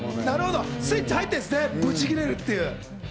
スイッチ入ってるんですね、ブチギレるっていう。